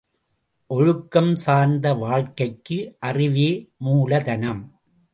ஒழுக்கம் சார்ந்த வாழ்க்கைக்கு அறிவே மூலதனம்.